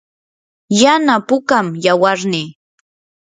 yana pukam yawarnii.